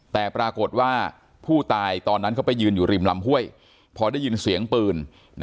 แต่ปรากฏว่าผู้ตายตอนนั้นเขาไปยืนอยู่ริมลำห้วยพอได้ยินเสียงปืน